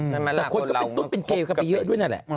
แต่คนก็ตุ๊กเป็นเกย์เข้าไปเยอะด้วยนั่นแหละ